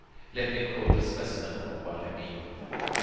Let me quote a specimen of what I mean.